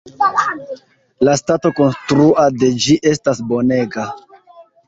La stato konstrua de ĝi estas bonega.